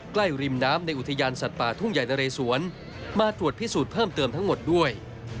ริมน้ำในอุทยานสัตว์ป่าทุ่งใหญ่นะเรสวนมาตรวจพิสูจน์เพิ่มเติมทั้งหมดด้วย